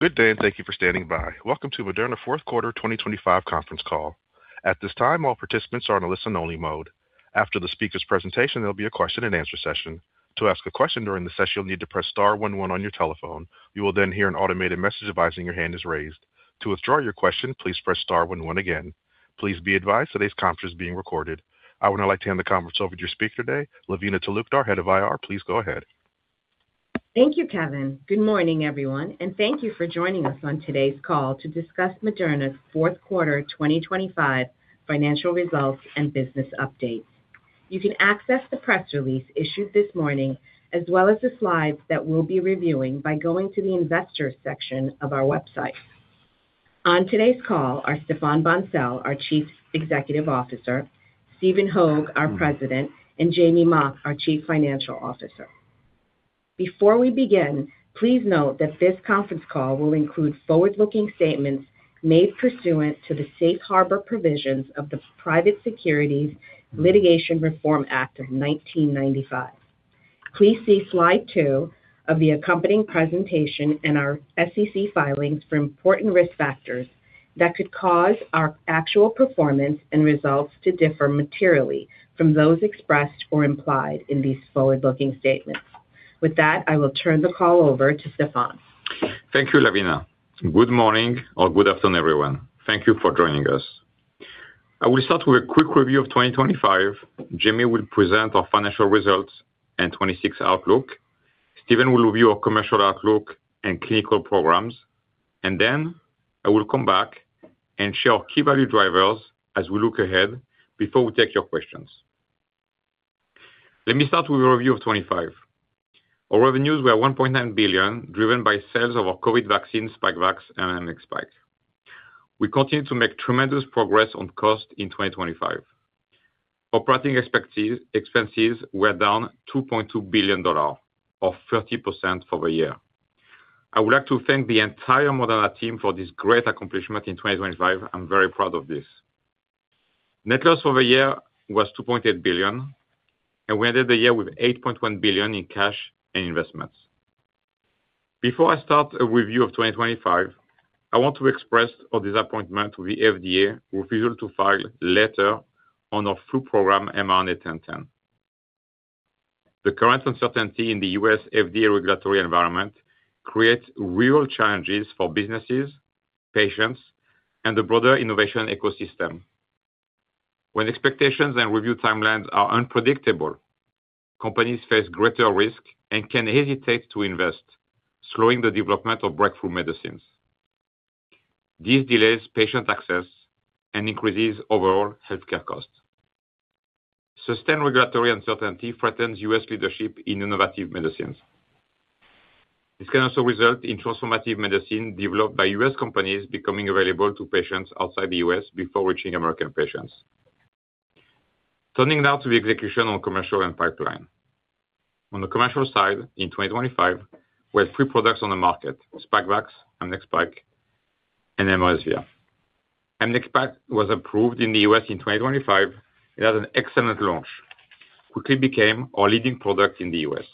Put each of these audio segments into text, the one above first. Good day, and thank you for standing by. Welcome to Moderna Fourth Quarter 2025 conference call. At this time, all participants are on a listen-only mode. After the speaker's presentation, there'll be a question-and-answer session. To ask a question during the session, you'll need to press star one one on your telephone. You will then hear an automated message advising your hand is raised. To withdraw your question, please press star one one again. Please be advised today's conference is being recorded. I would now like to hand the conference over to your speaker today, Lavina Talukdar, Head of IR. Please go ahead. Thank you, Kevin. Good morning, everyone, and thank you for joining us on today's call to discuss Moderna's fourth quarter 2025 financial results and business update. You can access the press release issued this morning, as well as the slides that we'll be reviewing, by going to the Investors section of our website. On today's call are Stéphane Bancel, our Chief Executive Officer, Stephen Hoge, our President, and Jamey Mock, our Chief Financial Officer. Before we begin, please note that this conference call will include forward-looking statements made pursuant to the Safe Harbor Provisions of the Private Securities Litigation Reform Act of 1995. Please see slide two of the accompanying presentation and our SEC filings for important risk factors that could cause our actual performance and results to differ materially from those expressed or implied in these forward-looking statements. With that, I will turn the call over to Stéphane. Thank you, Lavina. Good morning or good afternoon, everyone. Thank you for joining us. I will start with a quick review of 2025. Jamey will present our financial results and 2026 outlook. Stephen will review our commercial outlook and clinical programs, and then I will come back and share our key value drivers as we look ahead before we take your questions. Let me start with a review of 2025. Our revenues were $1.9 billion, driven by sales of our COVID vaccine Spikevax and mNEXSPIKE. We continued to make tremendous progress on cost in 2025. Operating expenses were down $2.2 billion, or 30% over the year. I would like to thank the entire Moderna team for this great accomplishment in 2025. I'm very proud of this. Net loss over the year was $2.8 billion, and we ended the year with $8.1 billion in cash and investments. Before I start a review of 2025, I want to express our disappointment to the FDA refusal to file letter on our flu program, mRNA-1010. The current uncertainty in the U.S. FDA regulatory environment creates real challenges for businesses, patients, and the broader innovation ecosystem. When expectations and review timelines are unpredictable, companies face greater risk and can hesitate to invest, slowing the development of breakthrough medicines. This delays patient access and increases overall healthcare costs. Sustained regulatory uncertainty threatens U.S. leadership in innovative medicines. This can also result in transformative medicine developed by U.S. companies becoming available to patients outside the U.S. before reaching American patients. Turning now to the execution on commercial and pipeline. On the commercial side, in 2025, we had three products on the market, Spikevax, and mNEXSPIKE, and mRESVIA. mNEXSPIKE was approved in the U.S. in 2025. It has an excellent launch, quickly became our leading product in the U.S.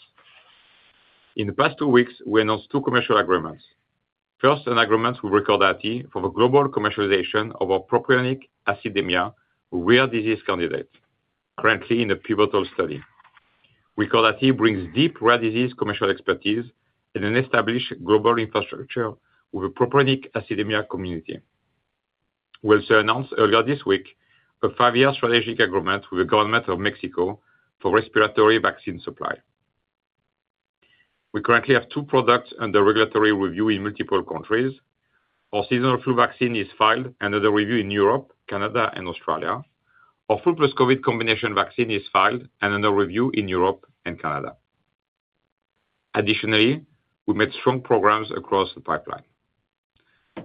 In the past two weeks, we announced two commercial agreements. First, an agreement with Recordati for the global commercialization of our propionic acidemia, a rare disease candidate, currently in a pivotal study. Recordati brings deep rare disease commercial expertise and an established global infrastructure with a propionic acidemia community. We also announced earlier this week a five year strategic agreement with the government of Mexico for respiratory vaccine supply. We currently have two products under regulatory review in multiple countries. Our seasonal flu vaccine is filed under the review in Europe, Canada, and Australia. Our flu plus COVID combination vaccine is filed and under review in Europe and Canada. Additionally, we made strong progress across the pipeline.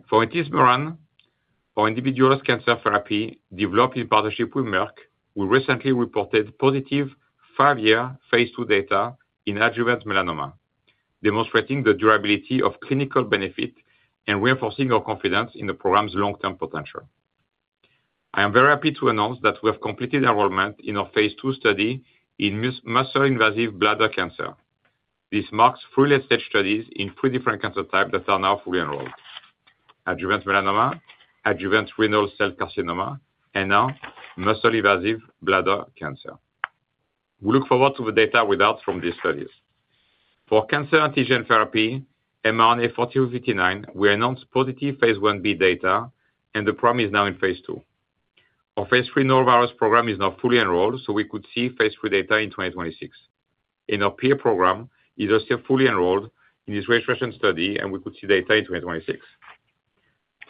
For INT, our individual cancer therapy developed in partnership with Merck, we recently reported positive five-year phase II data in adjuvant melanoma, demonstrating the durability of clinical benefit and reinforcing our confidence in the program's long-term potential. I am very happy to announce that we have completed enrollment in our phase II study in muscle-invasive bladder cancer. This marks late-stage studies in three different cancer types that are now fully enrolled: adjuvant melanoma, adjuvant renal cell carcinoma, and now muscle-invasive bladder cancer. We look forward to the data readout from these studies. For cancer antigen therapy, mRNA-4359, we announced positive phase Ib data, and the program is now in phase II. Our phase III norovirus program is now fully enrolled, so we could see phase III data in 2026. In our PA program, is also fully enrolled in this registration study, and we could see data in 2026.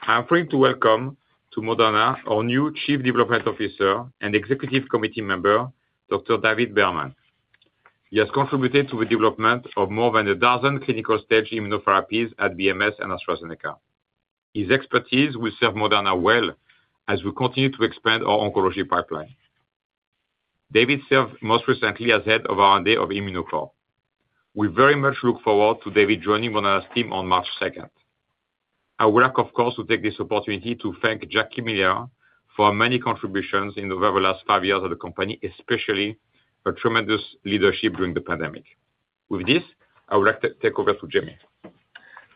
I'm pleased to welcome to Moderna, our new Chief Development Officer and Executive Committee member, Dr. David Berman. He has contributed to the development of more than a dozen clinical-stage immunotherapies at BMS and AstraZeneca. His expertise will serve Moderna well as we continue to expand our oncology pipeline. David served most recently as Head of R&D of Immunocore. We very much look forward to David joining Moderna's team on March 2. I would like, of course, to take this opportunity to thank Jackie Miller for many contributions over the last five years of the company, especially her tremendous leadership during the pandemic. With this, I would like to take over to Jamey.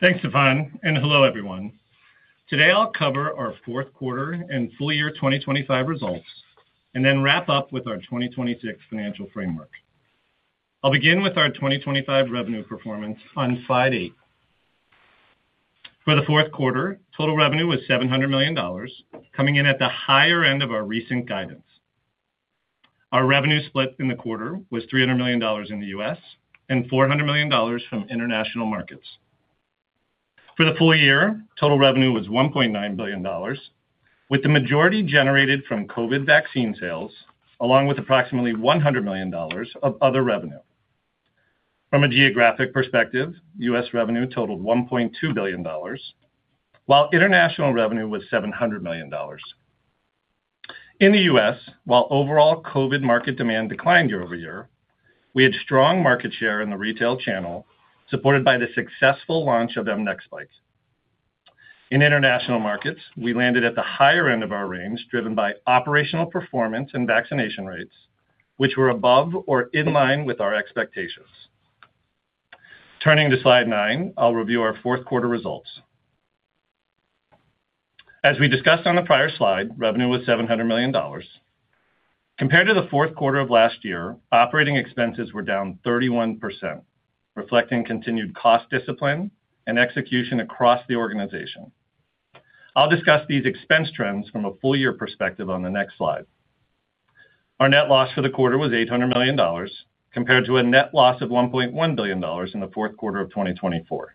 Thanks, Stefan, and hello, everyone. Today, I'll cover our fourth quarter and full year 2025 results, and then wrap up with our 2026 financial framework. I'll begin with our 2025 revenue performance on slide eight. For the fourth quarter, total revenue was $700 million, coming in at the higher end of our recent guidance. Our revenue split in the quarter was $300 million in the U.S. and $400 million from international markets. For the full year, total revenue was $1.9 billion, with the majority generated from COVID vaccine sales, along with approximately $100 million of other revenue. From a geographic perspective, U.S. revenue totaled $1.2 billion, while international revenue was $700 million. In the U.S., while overall COVID market demand declined year-over-year, we had strong market share in the retail channel, supported by the successful launch of mNEXSPIKE. In international markets, we landed at the higher end of our range, driven by operational performance and vaccination rates, which were above or in line with our expectations. Turning to slide nine, I'll review our fourth quarter results. As we discussed on the prior slide, revenue was $700 million. Compared to the fourth quarter of last year, operating expenses were down 31%, reflecting continued cost discipline and execution across the organization. I'll discuss these expense trends from a full year perspective on the next slide. Our net loss for the quarter was $800 million, compared to a net loss of $1.1 billion in the fourth quarter of 2024.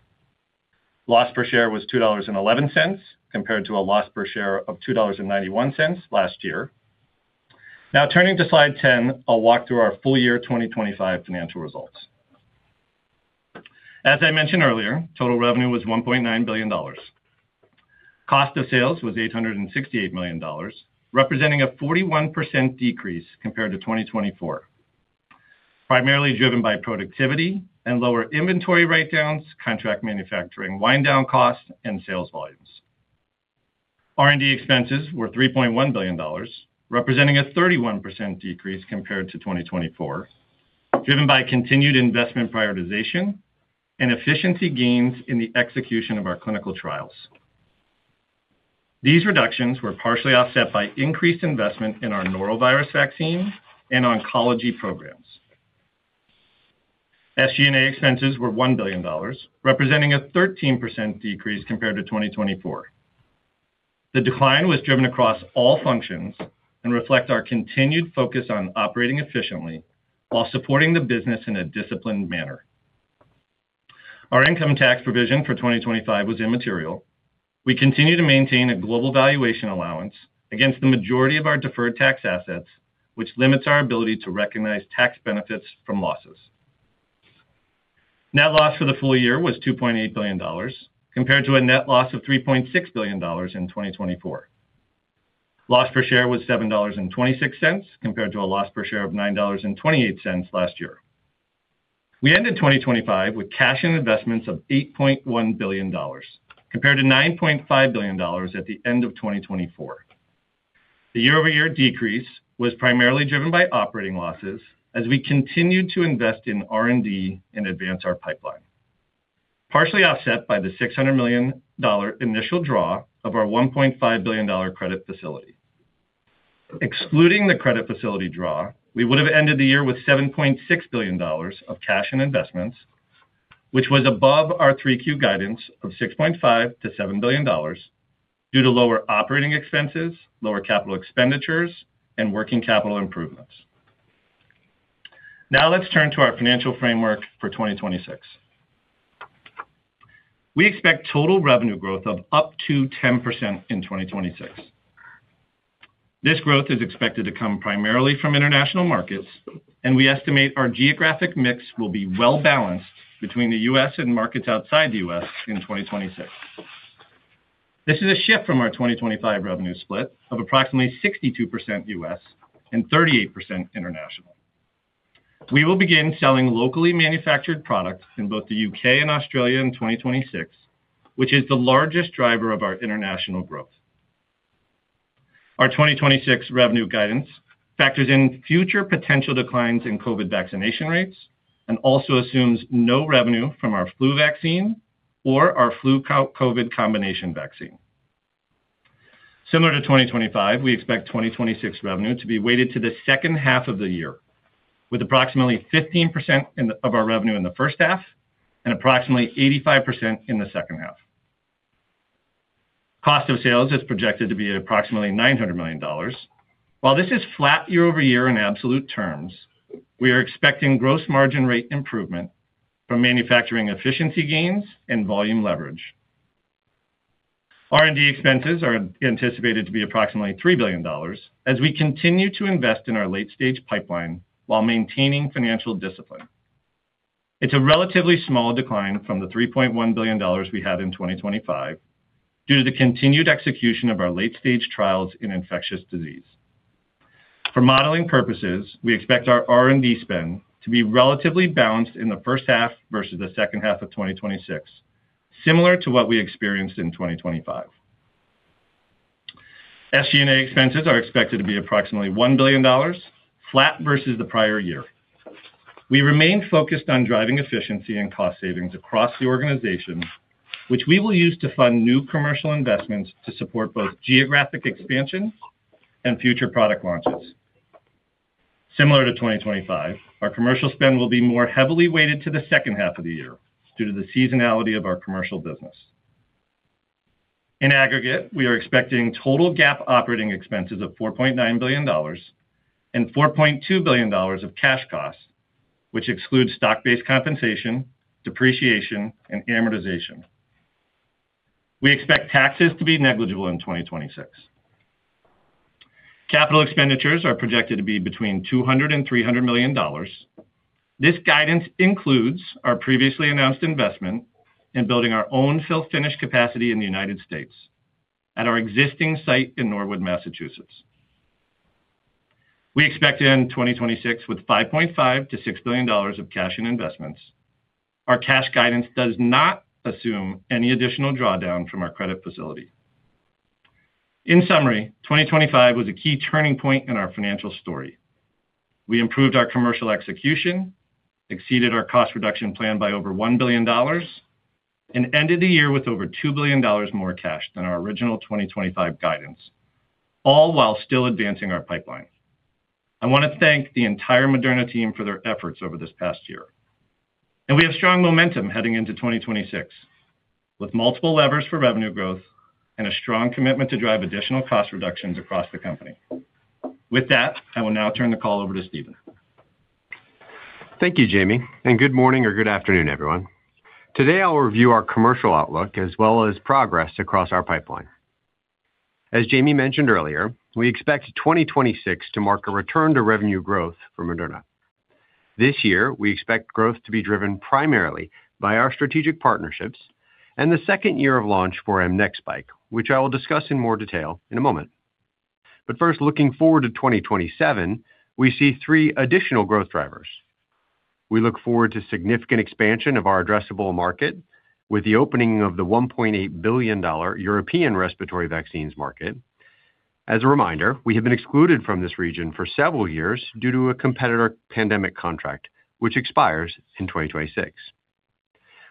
Loss per share was $2.11, compared to a loss per share of $2.91 last year. Now, turning to slide 10, I'll walk through our full year 2025 financial results. As I mentioned earlier, total revenue was $1.9 billion. Cost of sales was $868 million, representing a 41% decrease compared to 2024, primarily driven by productivity and lower inventory write-downs, contract manufacturing, wind-down costs, and sales volumes. R&D expenses were $3.1 billion, representing a 31% decrease compared to 2024, driven by continued investment prioritization and efficiency gains in the execution of our clinical trials. These reductions were partially offset by increased investment in our norovirus vaccine and oncology programs. SG&A expenses were $1 billion, representing a 13% decrease compared to 2024. The decline was driven across all functions and reflects our continued focus on operating efficiently while supporting the business in a disciplined manner. Our income tax provision for 2025 was immaterial. We continue to maintain a global valuation allowance against the majority of our deferred tax assets, which limits our ability to recognize tax benefits from losses. Net loss for the full year was $2.8 billion, compared to a net loss of $3.6 billion in 2024. Loss per share was $7.26, compared to a loss per share of $9.28 last year. We ended 2025 with cash and investments of $8.1 billion, compared to $9.5 billion at the end of 2024. The year-over-year decrease was primarily driven by operating losses as we continued to invest in R&D and advance our pipeline, partially offset by the $600 million initial draw of our $1.5 billion credit facility. Excluding the credit facility draw, we would have ended the year with $7.6 billion of cash and investments, which was above our 3Q guidance of $6.5 billion-$7 billion, due to lower operating expenses, lower capital expenditures, and working capital improvements. Now, let's turn to our financial framework for 2026. We expect total revenue growth of up to 10% in 2026. This growth is expected to come primarily from international markets, and we estimate our geographic mix will be well balanced between the U.S. and markets outside the U.S. in 2026. This is a shift from our 2025 revenue split of approximately 62% U.S. and 38% international. We will begin selling locally manufactured products in both the U.K. and Australia in 2026, which is the largest driver of our international growth. Our 2026 revenue guidance factors in future potential declines in COVID vaccination rates and also assumes no revenue from our flu vaccine or our flu-COVID combination vaccine. Similar to 2025, we expect 2026 revenue to be weighted to the second half of the year, with approximately 15% of our revenue in the first half and approximately 85% in the second half. Cost of sales is projected to be approximately $900 million. While this is flat year-over-year in absolute terms, we are expecting gross margin rate improvement from manufacturing efficiency gains and volume leverage. R&D expenses are anticipated to be approximately $3 billion as we continue to invest in our late-stage pipeline while maintaining financial discipline. It's a relatively small decline from the $3.1 billion we had in 2025 due to the continued execution of our late-stage trials in infectious disease. For modeling purposes, we expect our R&D spend to be relatively balanced in the first half versus the second half of 2026, similar to what we experienced in 2025. SG&A expenses are expected to be approximately $1 billion, flat versus the prior year. We remain focused on driving efficiency and cost savings across the organization, which we will use to fund new commercial investments to support both geographic expansion and future product launches. Similar to 2025, our commercial spend will be more heavily weighted to the second half of the year due to the seasonality of our commercial business. In aggregate, we are expecting total GAAP operating expenses of $4.9 billion and $4.2 billion of cash costs, which excludes stock-based compensation, depreciation, and amortization. We expect taxes to be negligible in 2026. Capital expenditures are projected to be between $200 million and $300 million. This guidance includes our previously announced investment in building our own fill-finish capacity in the United States at our existing site in Norwood, Massachusetts. We expect to end 2026 with $5.5 billion to $6 billion of cash and investments. Our cash guidance does not assume any additional drawdown from our credit facility. In summary, 2025 was a key turning point in our financial story. We improved our commercial execution, exceeded our cost reduction plan by over $1 billion, and ended the year with over $2 billion more cash than our original 2025 guidance, all while still advancing our pipeline. I want to thank the entire Moderna team for their efforts over this past year. We have strong momentum heading into 2026, with multiple levers for revenue growth and a strong commitment to drive additional cost reductions across the company. With that, I will now turn the call over to Stephen. Thank you, Jamey, and good morning or good afternoon, everyone. Today, I'll review our commercial outlook as well as progress across our pipeline. As Jamey mentioned earlier, we expect 2026 to mark a return to revenue growth for Moderna. This year, we expect growth to be driven primarily by our strategic partnerships and the second year of launch for mNEXSPIKE, which I will discuss in more detail in a moment. But first, looking forward to 2027, we see three additional growth drivers. We look forward to significant expansion of our addressable market with the opening of the $1.8 billion European respiratory vaccines market. As a reminder, we have been excluded from this region for several years due to a competitor pandemic contract, which expires in 2026.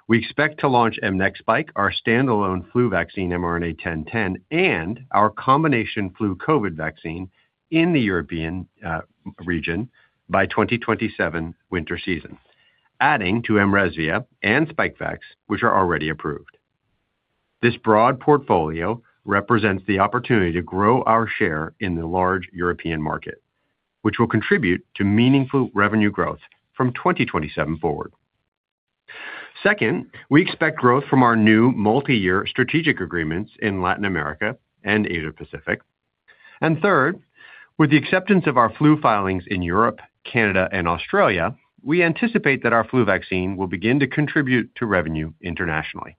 We expect to launch mNEXSPIKE, our standalone flu vaccine, mRNA-1010, and our combination flu COVID vaccine in the European region by 2027 winter season, adding to mRESVIA and Spikevax, which are already approved. This broad portfolio represents the opportunity to grow our share in the large European market, which will contribute to meaningful revenue growth from 2027 forward. Second, we expect growth from our new multi-year strategic agreements in Latin America and Asia Pacific. Third, with the acceptance of our flu filings in Europe, Canada, and Australia, we anticipate that our flu vaccine will begin to contribute to revenue internationally.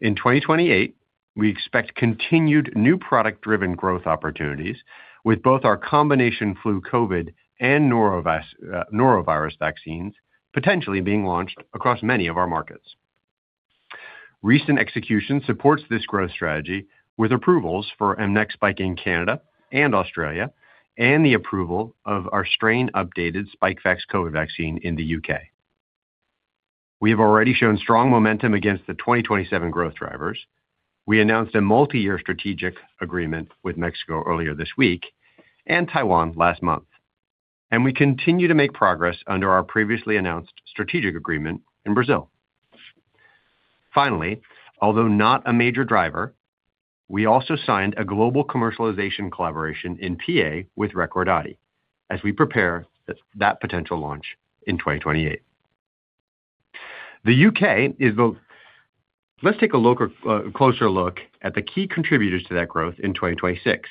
In 2028, we expect continued new product-driven growth opportunities with both our combination flu, COVID, and norovirus vaccines, potentially being launched across many of our markets. Recent execution supports this growth strategy with approvals for mNEXSPIKE in Canada and Australia, and the approval of our strain updated Spikevax COVID vaccine in the U.K. We have already shown strong momentum against the 2027 growth drivers. We announced a multi-year strategic agreement with Mexico earlier this week and Taiwan last month, and we continue to make progress under our previously announced strategic agreement in Brazil. Finally, although not a major driver, we also signed a global commercialization collaboration in PA with Recordati as we prepare that potential launch in 2028. The U.K. is the-- Let's take a look, a closer look at the key contributors to that growth in 2026,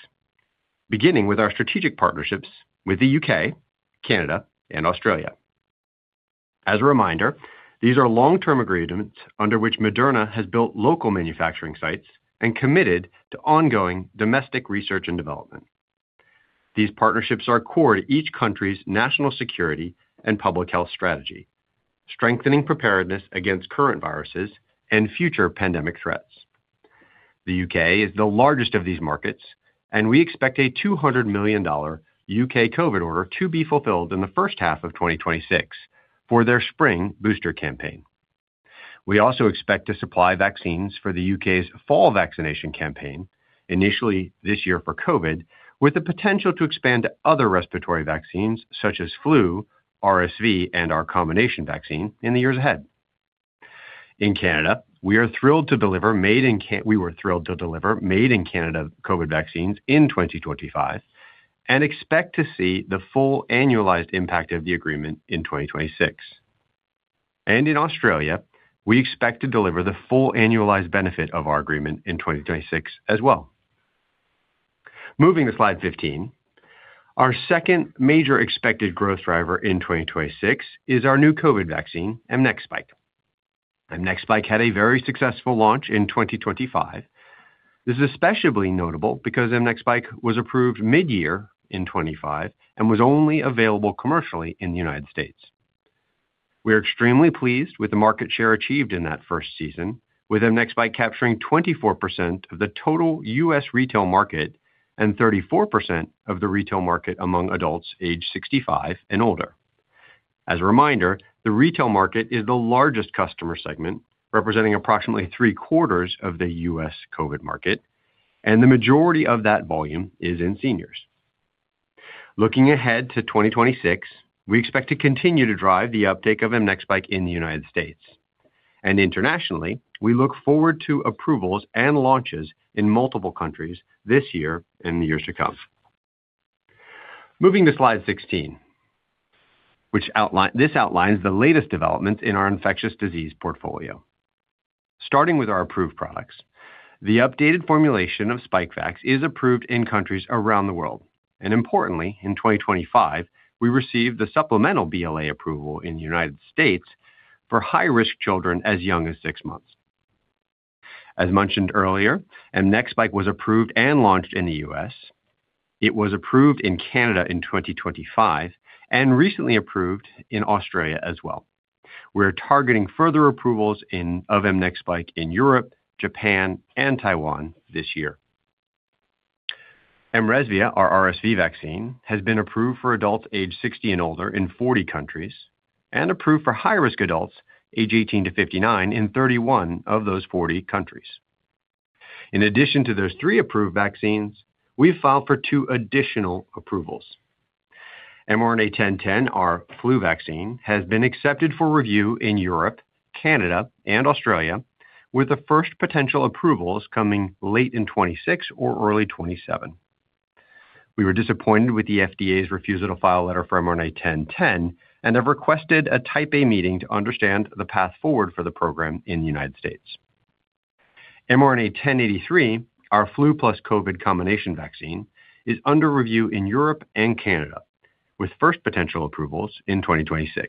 beginning with our strategic partnerships with the U.K., Canada, and Australia. As a reminder, these are long-term agreements under which Moderna has built local manufacturing sites and committed to ongoing domestic research and development. These partnerships are core to each country's national security and public health strategy, strengthening preparedness against current viruses and future pandemic threats. The U.K. is the largest of these markets, and we expect a $200 million U.K. COVID order to be fulfilled in the first half of 2026 for their spring booster campaign. We also expect to supply vaccines for the U.K.'s fall vaccination campaign, initially this year for COVID, with the potential to expand to other respiratory vaccines such as flu, RSV, and our combination vaccine in the years ahead. In Canada, we were thrilled to deliver made in Canada COVID vaccines in 2025 and expect to see the full annualized impact of the agreement in 2026. And in Australia, we expect to deliver the full annualized benefit of our agreement in 2026 as well. Moving to slide 15, our second major expected growth driver in 2026 is our new COVID vaccine, mNEXSPIKE. mNEXSPIKE had a very successful launch in 2025. This is especially notable because mNEXSPIKE was approved mid-year in 2025 and was only available commercially in the United States. We are extremely pleased with the market share achieved in that first season, with mNEXSPIKE capturing 24% of the total U.S. retail market and 34% of the retail market among adults aged 65 and older. As a reminder, the retail market is the largest customer segment, representing approximately three-quarters of the U.S. COVID market, and the majority of that volume is in seniors. Looking ahead to 2026, we expect to continue to drive the uptake of mNEXSPIKE in the United States. Internationally, we look forward to approvals and launches in multiple countries this year and the years to come. Moving to slide 16, which outlines the latest developments in our infectious disease portfolio. Starting with our approved products, the updated formulation of Spikevax is approved in countries around the world, and importantly, in 2025, we received the supplemental BLA approval in the United States for high-risk children as young as six months. As mentioned earlier, mNEXSPIKE was approved and launched in the U.S. It was approved in Canada in 2025 and recently approved in Australia as well. We are targeting further approvals of mNEXSPIKE in Europe, Japan, and Taiwan this year. mRESVIA, our RSV vaccine, has been approved for adults aged 60 and older in 40 countries, and approved for high-risk adults aged 18-59 in 31 of those 40 countries. In addition to those three approved vaccines, we've filed for two additional approvals. mRNA-1010, our flu vaccine, has been accepted for review in Europe, Canada, and Australia, with the first potential approvals coming late in 2026 or early 2027. We were disappointed with the FDA's refusal to file a letter for mRNA-1010, and have requested a Type A meeting to understand the path forward for the program in the United States. mRNA-1083, our flu plus COVID combination vaccine, is under review in Europe and Canada, with first potential approvals in 2026.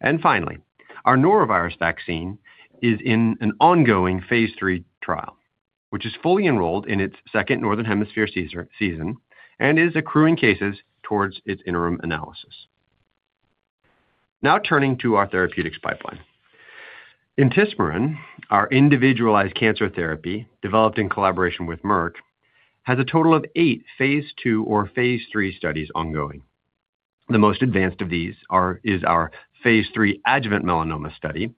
And finally, our norovirus vaccine is in an ongoing phase III trial, which is fully enrolled in its second Northern Hemisphere season, and is accruing cases towards its interim analysis. Now turning to our therapeutics pipeline. Intismeran, our individualized cancer therapy, developed in collaboration with Merck, has a total of eight phase II or phase III studies ongoing. The most advanced of these is our phase III adjuvant melanoma study,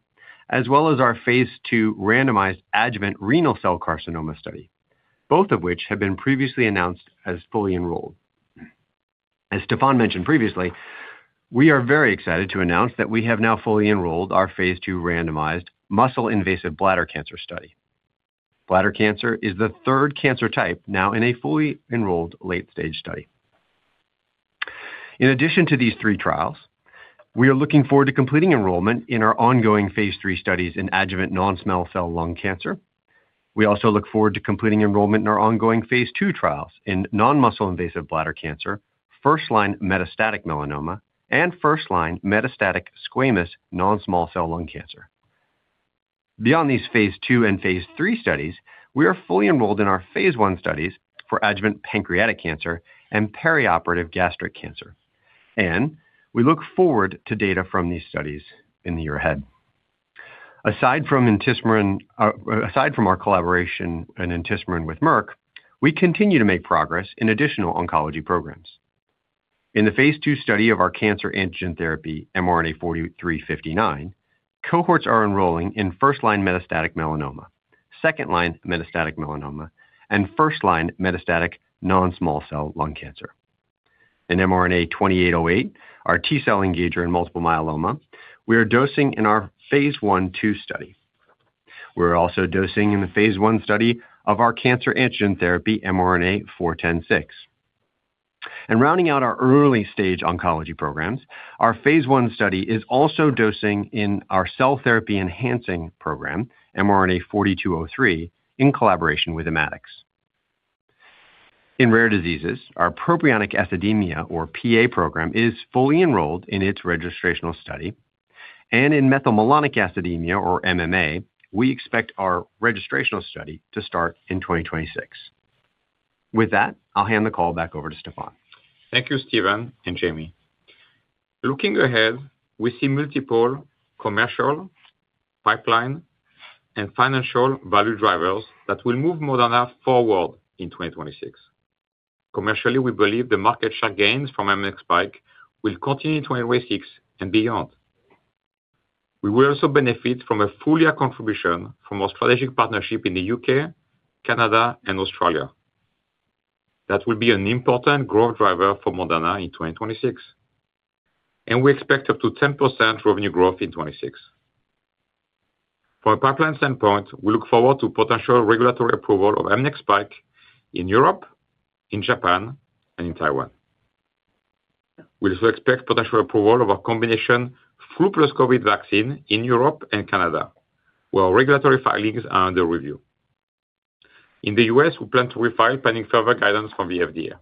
as well as our phase II randomized adjuvant renal cell carcinoma study, both of which have been previously announced as fully enrolled. As Stéphane mentioned previously, we are very excited to announce that we have now fully enrolled our phase II randomized muscle-invasive bladder cancer study. Bladder cancer is the third cancer type now in a fully enrolled late-stage study. In addition to these three trials, we are looking forward to completing enrollment in our ongoing phase III studies in adjuvant non-small cell lung cancer. We also look forward to completing enrollment in our ongoing phase II trials in non-muscle invasive bladder cancer, first-line metastatic melanoma, and first-line metastatic squamous non-small cell lung cancer. Beyond these phase II and phase III studies, we are fully enrolled in our phase I studies for adjuvant pancreatic cancer and perioperative gastric cancer, and we look forward to data from these studies in the year ahead. Aside from intismeran, aside from our collaboration in intismeran with Merck, we continue to make progress in additional oncology programs. In the phase II study of our cancer antigen therapy, mRNA-4359, cohorts are enrolling in first-line metastatic melanoma, second-line metastatic melanoma, and first-line metastatic non-small cell lung cancer. In mRNA-2808, our T-cell engager in multiple myeloma, we are dosing in our phase I/II study. We're also dosing in the phase I study of our cancer antigen therapy, mRNA-4106. And rounding out our early-stage oncology programs, our phase I study is also dosing in our cell therapy enhancing program, mRNA-4203, in collaboration with Immunocore. In rare diseases, our propionic acidemia, or PA program, is fully enrolled in its registrational study, and in methylmalonic acidemia, or MMA, we expect our registrational study to start in 2026. With that, I'll hand the call back over to Stéphane. Thank you, Stephen and Jamey. Looking ahead, we see multiple commercial, pipeline, and financial value drivers that will move Moderna forward in 2026. Commercially, we believe the market share gains from mNEXSPIKE will continue to 2026 and beyond. We will also benefit from a full year contribution from our strategic partnership in the U.K., Canada, and Australia. That will be an important growth driver for Moderna in 2026, and we expect up to 10% revenue growth in 2026. From a pipeline standpoint, we look forward to potential regulatory approval of mNEXSPIKE in Europe, in Japan, and in Taiwan. We also expect potential approval of our combination flu plus COVID vaccine in Europe and Canada, where regulatory filings are under review. In the U.S., we plan to refile pending further guidance from the FDA.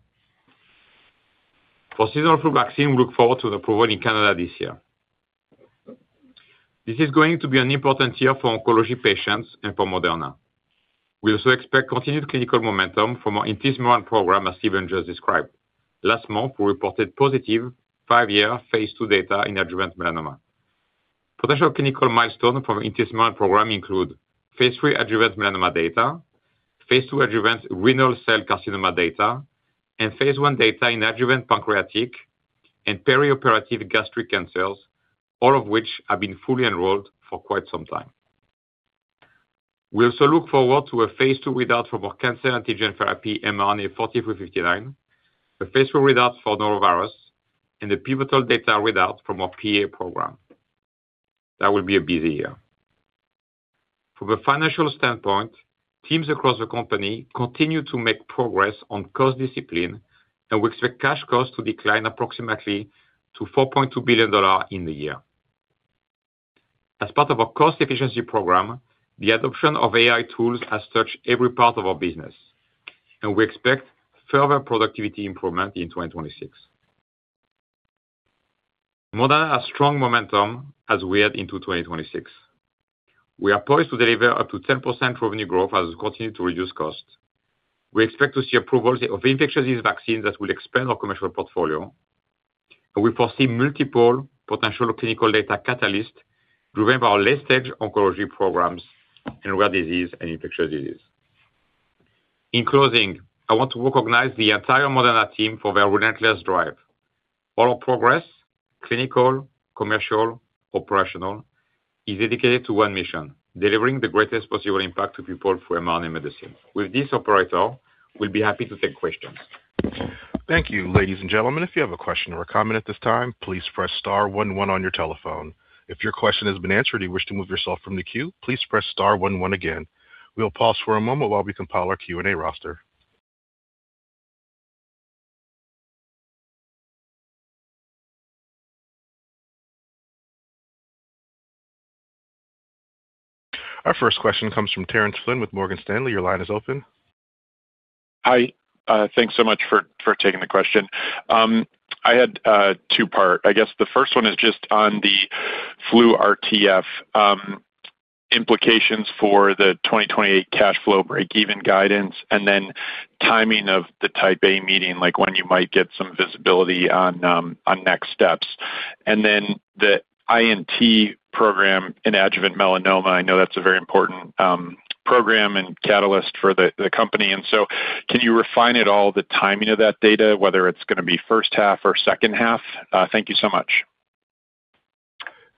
For seasonal flu vaccine, we look forward to the approval in Canada this year. This is going to be an important year for oncology patients and for Moderna. We also expect continued clinical momentum from our intismeran program, as Stephen just described. Last month, we reported positive five-year phase II data in adjuvant melanoma. Potential clinical milestones for our intismeran program include phase III adjuvant melanoma data, phase II adjuvant renal cell carcinoma data, and phase 1 data in adjuvant pancreatic and perioperative gastric cancers, all of which have been fully enrolled for quite some time. We also look forward to a phase II readout from our cancer antigen therapy, mRNA-4359, a phase II readout for norovirus, and the pivotal data readout from our PA program. That will be a busy year. From a financial standpoint, teams across the company continue to make progress on cost discipline, and we expect cash costs to decline approximately to $4.2 billion in the year. As part of our cost efficiency program, the adoption of AI tools has touched every part of our business, and we expect further productivity improvement in 2026. Moderna has strong momentum as we head into 2026. We are poised to deliver up to 10% revenue growth as we continue to reduce costs. We expect to see approvals of infectious disease vaccines that will expand our commercial portfolio, and we foresee multiple potential clinical data catalysts to drive our late-stage oncology programs in rare disease and infectious disease. In closing, I want to recognize the entire Moderna team for their relentless drive. All our progress, clinical, commercial, operational, is dedicated to one mission: delivering the greatest possible impact to people through mRNA medicine. With this, operator, we'll be happy to take questions. Thank you. Ladies and gentlemen, if you have a question or comment at this time, please press star one one on your telephone. If your question has been answered and you wish to move yourself from the queue, please press star one one again. We'll pause for a moment while we compile our Q&A roster. Our first question comes from Terence Flynn with Morgan Stanley. Your line is open. Hi. Thanks so much for taking the question. I had two-part. I guess the first one is just on the flu RTF, implications for the 2028 cash flow break-even guidance and then timing of the Type A meeting, like when you might get some visibility on next steps. And then the INT program in adjuvant melanoma. I know that's a very important program and catalyst for the company, and so can you refine it all, the timing of that data, whether it's going to be first half or second half? Thank you so much.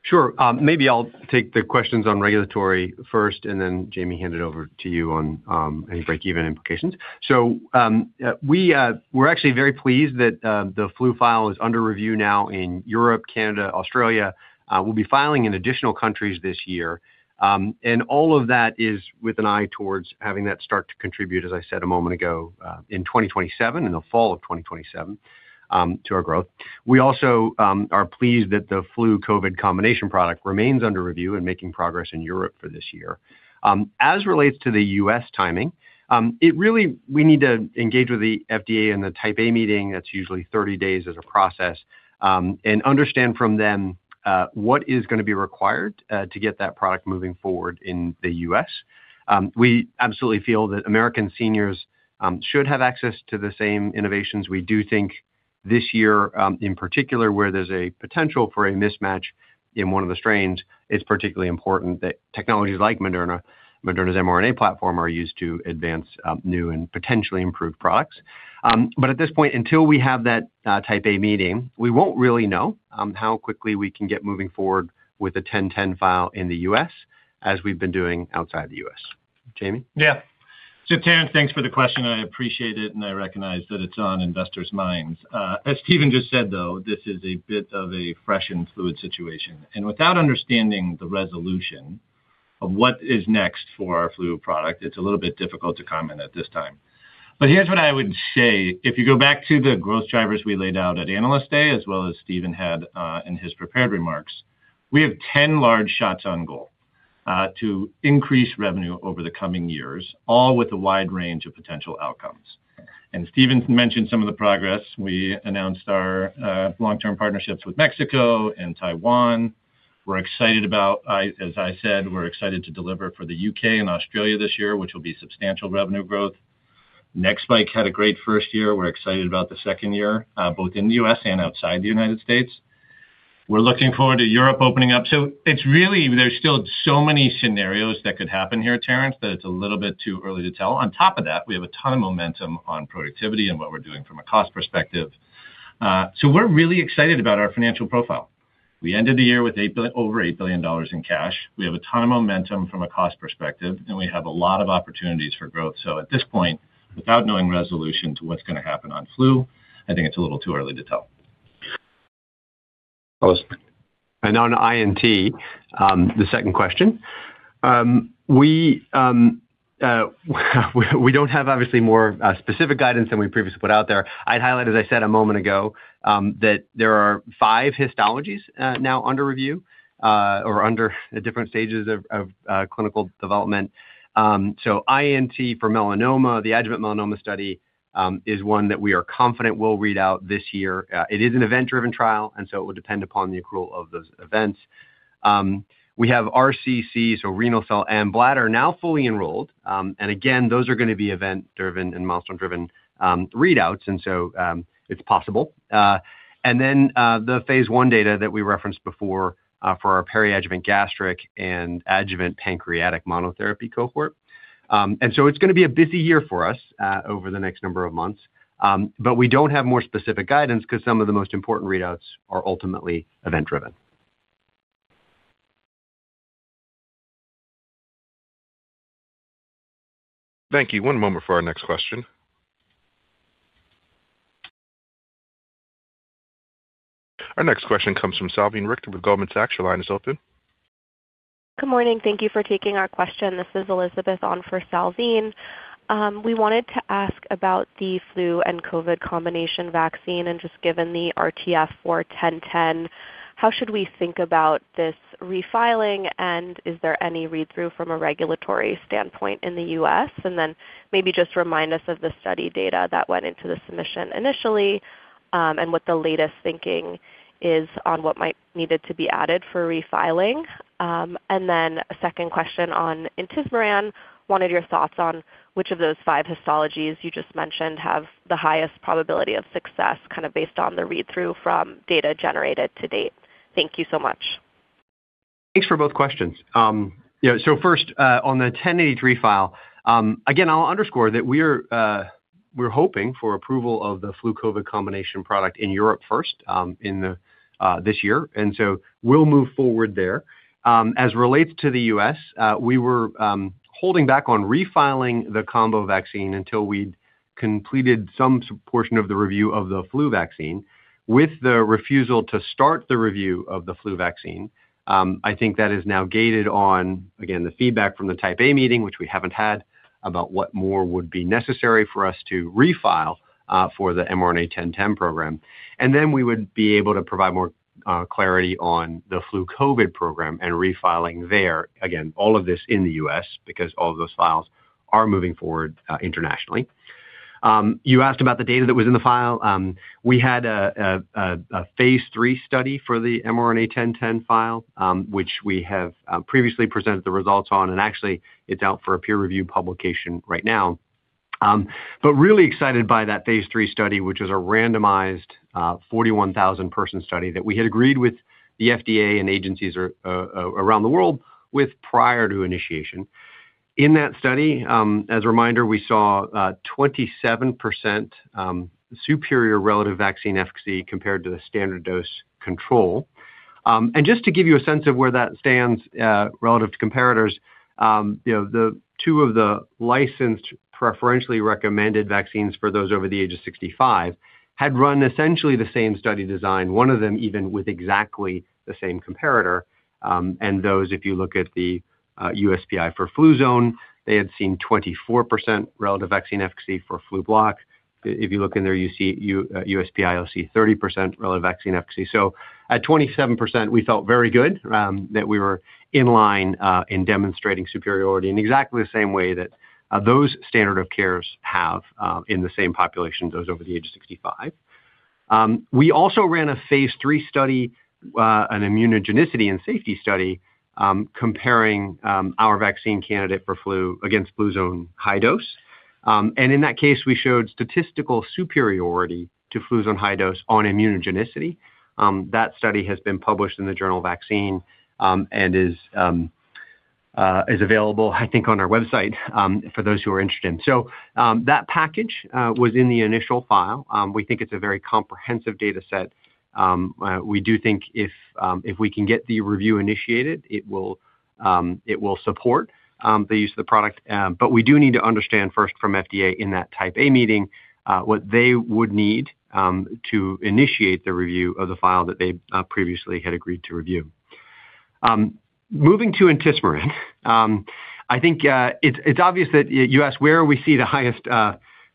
Sure. Maybe I'll take the questions on regulatory first, and then Jamey, hand it over to you on, any break-even implications. So, we're actually very pleased that the flu file is under review now in Europe, Canada, Australia. We'll be filing in additional countries this year, and all of that is with an eye towards having that start to contribute, as I said a moment ago, in 2027, in the fall of 2027, to our growth. We also are pleased that the flu COVID combination product remains under review and making progress in Europe for this year. As relates to the U.S. timing, it really, we need to engage with the FDA and the Type A meeting. That's usually 30 days as a process, and understand from them what is going to be required to get that product moving forward in the U.S. We absolutely feel that American seniors should have access to the same innovations. We do think this year, in particular, where there's a potential for a mismatch in one of the strains, it's particularly important that technologies like Moderna, Moderna's mRNA platform, are used to advance new and potentially improved products. But at this point, until we have that Type A meeting, we won't really know how quickly we can get moving forward with a 1010 file in the U.S., as we've been doing outside the U.S. Jamey? Yeah. So Terence, thanks for the question. I appreciate it, and I recognize that it's on investors' minds. As Stephen just said, though, this is a bit of a fresh and fluid situation, and without understanding the resolution of what is next for our flu product, it's a little bit difficult to comment at this time. But here's what I would say: If you go back to the growth drivers we laid out at Analyst Day, as well as Stephen had in his prepared remarks, we have 10 large shots on goal to increase revenue over the coming years, all with a wide range of potential outcomes. And Stephen mentioned some of the progress. We announced our long-term partnerships with Mexico and Taiwan. We're excited about... As I said, we're excited to deliver for the U.K. and Australia this year, which will be substantial revenue growth. mNEXSPIKE had a great first year. We're excited about the second year, both in the U.S. and outside the United States. We're looking forward to Europe opening up. So it's really, there's still so many scenarios that could happen here, Terence, that it's a little bit too early to tell. On top of that, we have a ton of momentum on productivity and what we're doing from a cost perspective. So we're really excited about our financial profile. We ended the year with over $8 billion in cash. We have a ton of momentum from a cost perspective, and we have a lot of opportunities for growth. So at this point, without knowing resolution to what's going to happen on flu, I think it's a little too early to tell. On INT, the second question. We don't have obviously more specific guidance than we previously put out there. I'd highlight, as I said a moment ago, that there are five histologies now under review or under the different stages of clinical development. So INT for melanoma, the adjuvant melanoma study is one that we are confident will read out this year. It is an event-driven trial, and so it will depend upon the accrual of those events. We have RCC, so renal cell and bladder now fully enrolled. And again, those are going to be event-driven and milestone-driven readouts, and so it's possible. And then the phase one data that we referenced before for our peri-adjuvant gastric and adjuvant pancreatic monotherapy cohort. And so it's going to be a busy year for us, over the next number of months. But we don't have more specific guidance because some of the most important readouts are ultimately event-driven. Thank you. One moment for our next question. Our next question comes from Salveen Richter with Goldman Sachs. Your line is open. Good morning. Thank you for taking our question. This is Elizabeth on for Salveen. We wanted to ask about the flu and COVID combination vaccine, and just given the RTF for 1010, how should we think about this refiling, and is there any read-through from a regulatory standpoint in the U.S.? And then maybe just remind us of the study data that went into the submission initially, and what the latest thinking is on what might needed to be added for refiling. And then a second question on intismeran, wanted your thoughts on which of those five histologies you just mentioned have the highest probability of success, kind of based on the read-through from data generated to date. Thank you so much. Thanks for both questions. Yeah, so first, on the 1083 file, again, I'll underscore that we're hoping for approval of the flu/COVID combination product in Europe first, in this year, and so we'll move forward there. As it relates to the U.S., we were holding back on refiling the combo vaccine until we'd completed some portion of the review of the flu vaccine. With the refusal to start the review of the flu vaccine, I think that is now gated on, again, the feedback from the Type A meeting, which we haven't had, about what more would be necessary for us to refile, for the mRNA-1010 program. And then we would be able to provide more clarity on the flu/COVID program and refiling there. Again, all of this in the U.S., because all of those files are moving forward internationally. You asked about the data that was in the file. We had a phase III study for the mRNA-1010 file, which we have previously presented the results on, and actually it's out for a peer review publication right now. But really excited by that phase III study, which is a randomized 41,000-person study that we had agreed with the FDA and agencies around the world with prior to initiation. In that study, as a reminder, we saw 27% superior relative vaccine efficacy compared to the standard dose control. Just to give you a sense of where that stands, relative to comparators, you know, the two of the licensed preferentially recommended vaccines for those over the age of 65 had run essentially the same study design, one of them even with exactly the same comparator. And those, if you look at the USPI for Fluzone, they had seen 24% relative vaccine efficacy for Flublok. If you look in there, you see USPI, you'll see 30% relative vaccine efficacy. So at 27%, we felt very good that we were in line in demonstrating superiority in exactly the same way that those standard of cares have in the same population, those over the age of 65. We also ran a phase III study, an immunogenicity and safety study, comparing our vaccine candidate for flu against Fluzone High Dose. In that case, we showed statistical superiority to Fluzone High Dose on immunogenicity. That study has been published in the Journal of Vaccine, and is available, I think, on our website, for those who are interested. That package was in the initial file. We think it's a very comprehensive data set. We do think if we can get the review initiated, it will support the use of the product. But we do need to understand first from FDA in that Type A meeting what they would need to initiate the review of the file that they previously had agreed to review. Moving to intismeran, I think it's obvious that you asked where we see the highest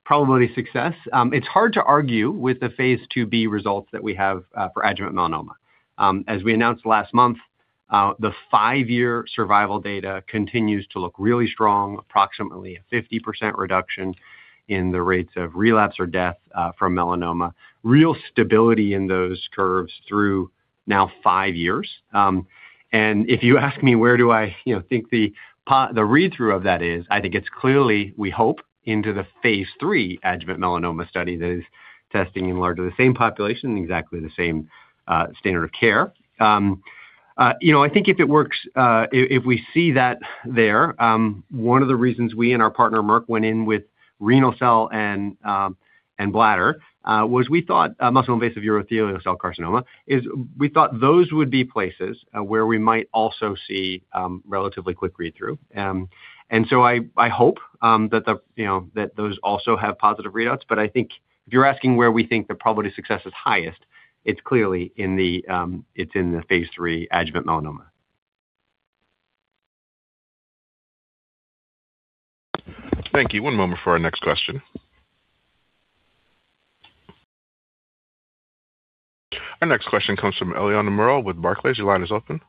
probability of success. It's hard to argue with the phase IIb results that we have for adjuvant melanoma. As we announced last month, the five-year survival data continues to look really strong, approximately a 50% reduction in the rates of relapse or death from melanoma. Real stability in those curves through now five years. And if you ask me, where do I, you know, think the pa-- the read-through of that is? I think it's clearly, we hope, into the phase III adjuvant melanoma study that is testing in largely the same population, exactly the same, standard of care. You know, I think if it works, if we see that there, one of the reasons we and our partner, Merck, went in with renal cell and bladder, was we thought, muscle-invasive urothelial cell carcinoma, is we thought those would be places, where we might also see, relatively quick read-through. And so I hope, that you know, that those also have positive readouts, but I think if you're asking where we think the probability of success is highest, it's clearly in the, it's in the phase III adjuvant melanoma. Thank you. One moment for our next question. Our next question comes from Eliana Merle with Barclays. Your line is open.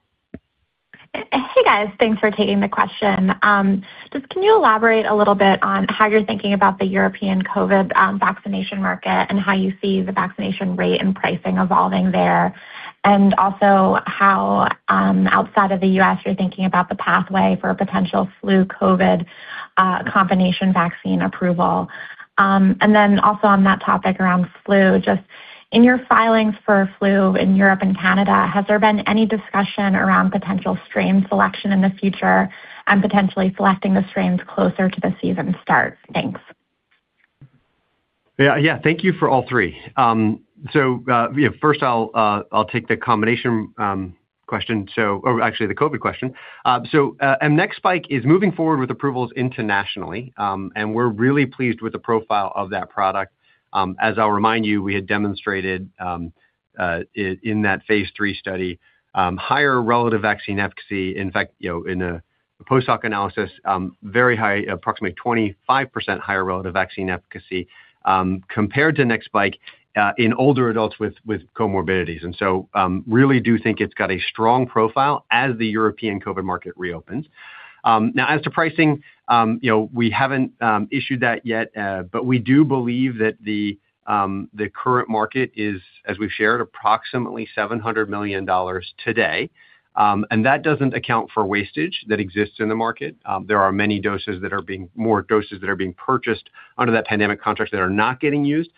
Hey, guys. Thanks for taking the question. Just can you elaborate a little bit on how you're thinking about the European COVID vaccination market and how you see the vaccination rate and pricing evolving there? And also, how outside of the U.S., you're thinking about the pathway for a potential flu COVID combination vaccine approval. And then also on that topic around flu, just in your filings for flu in Europe and Canada, has there been any discussion around potential strain selection in the future and potentially selecting the strains closer to the season start? Thanks. Yeah, yeah. Thank you for all three. So, yeah, first I'll take the combination question, or actually the COVID question. So, and mNEXSPIKE is moving forward with approvals internationally, and we're really pleased with the profile of that product. As I'll remind you, we had demonstrated in that phase III study higher relative vaccine efficacy. In fact, you know, in a post-hoc analysis very high, approximately 25% higher relative vaccine efficacy compared to mNEXSPIKE in older adults with comorbidities. And so, really do think it's got a strong profile as the European COVID market reopens. Now, as to pricing, you know, we haven't issued that yet, but we do believe that the current market is, as we've shared, approximately $700 million today. And that doesn't account for wastage that exists in the market. There are more doses that are being purchased under that pandemic contract that are not getting used.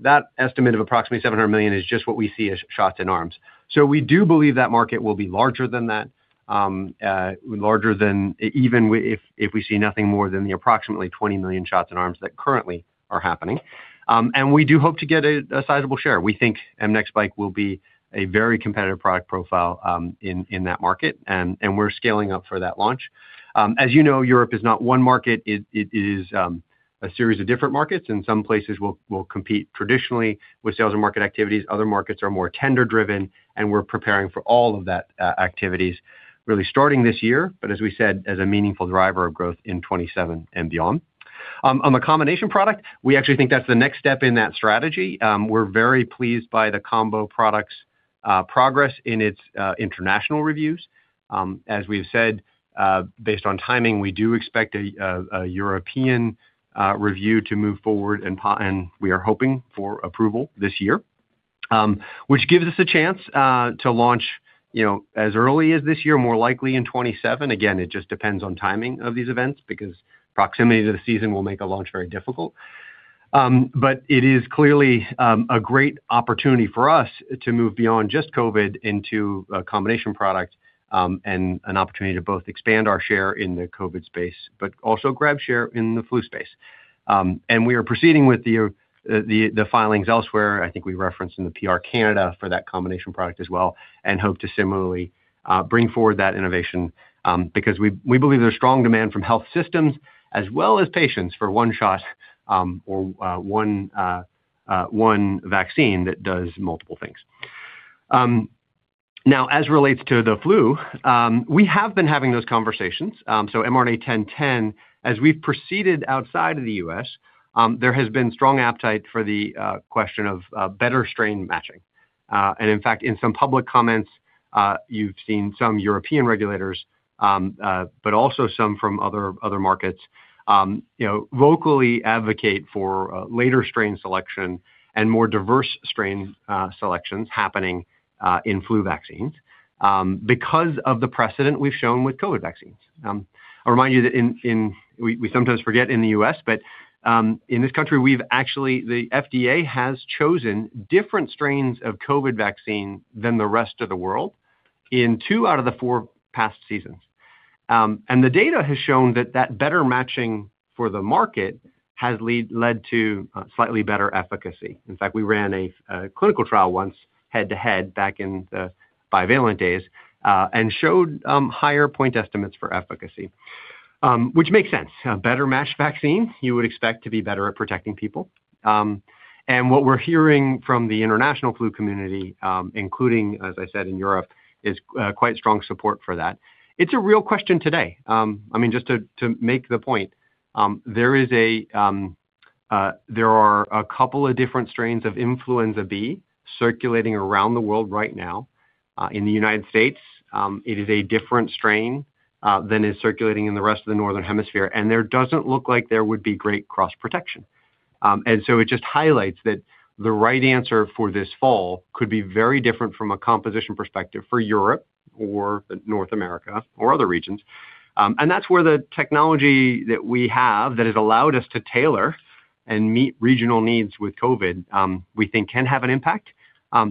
That estimate of approximately $700 million is just what we see as shots in arms. So we do believe that market will be larger than that, larger than even if we see nothing more than the approximately 20,000,000 shots in arms that currently are happening. And we do hope to get a sizable share. We think mNEXSPIKE will be a very competitive product profile in that market, and we're scaling up for that launch. As you know, Europe is not one market. It is a series of different markets, and some places will compete traditionally with sales and market activities. Other markets are more tender-driven, and we're preparing for all of that activities, really starting this year, but as we said, as a meaningful driver of growth in 2027 and beyond. On the combination product, we actually think that's the next step in that strategy. We're very pleased by the combo product's progress in its international reviews. As we've said, based on timing, we do expect a European review to move forward, and we are hoping for approval this year. Which gives us a chance to launch, you know, as early as this year, more likely in 2027. Again, it just depends on timing of these events because proximity to the season will make a launch very difficult. But it is clearly a great opportunity for us to move beyond just COVID into a combination product, and an opportunity to both expand our share in the COVID space, but also grab share in the flu space. And we are proceeding with the filings elsewhere. I think we referenced in the PR Canada for that combination product as well and hope to similarly bring forward that innovation, because we believe there's strong demand from health systems as well as patients for one shot, or one vaccine that does multiple things. Now, as relates to the flu, we have been having those conversations. So mRNA-1010, as we've proceeded outside of the U.S., there has been strong appetite for the question of better strain matching. And in fact, in some public comments, you've seen some European regulators, but also some from other markets, you know, vocally advocate for later strain selection and more diverse strain selections happening in flu vaccines, because of the precedent we've shown with COVID vaccines. I'll remind you that we sometimes forget in the U.S., but in this country, we've actually—the FDA has chosen different strains of COVID vaccine than the rest of the world in two out of the four past seasons. The data has shown that better matching for the market has led to slightly better efficacy. In fact, we ran a clinical trial once head-to-head back in the bivalent days and showed higher point estimates for efficacy. Which makes sense. A better-matched vaccine, you would expect to be better at protecting people. And what we're hearing from the international flu community, including, as I said, in Europe, is quite strong support for that. It's a real question today. I mean, just to make the point, there are a couple of different strains of influenza B circulating around the world right now. In the United States, it is a different strain than is circulating in the rest of the northern hemisphere, and there doesn't look like there would be great cross-protection. And so it just highlights that the right answer for this fall could be very different from a composition perspective for Europe or North America or other regions. And that's where the technology that we have, that has allowed us to tailor and meet regional needs with COVID, we think can have an impact.